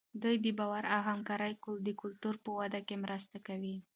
دوی د باور او همکارۍ د کلتور په وده کې مرسته کوي.